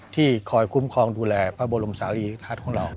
ที่คอยคุ้มครองดูแลพระบรมศาลีของเรา